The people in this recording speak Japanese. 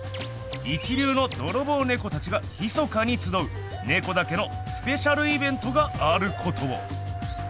一流のドロボウネコたちがひそかにつどうネコだけのスペシャルイベントがあることを！